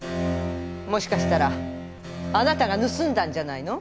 もしかしたらあなたがぬすんだんじゃないの？